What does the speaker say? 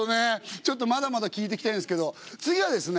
ちょっとまだまだ聞いていきたいんですけど次はですね